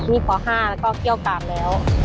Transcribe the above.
มีพอ๕แล้วก็เกี่ยวกันแล้ว